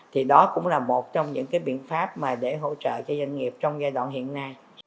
thì đó cũng là một trong những cái biện pháp mà để hỗ trợ cho doanh nghiệp trong giai đoạn hiện nay